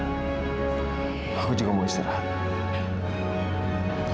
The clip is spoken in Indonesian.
aku juga mau istirahat